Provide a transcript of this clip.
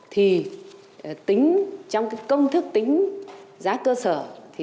thì tính trong công thức tính giá cơ sở thì tính theo thuế nhập khẩu bình quân gia quyền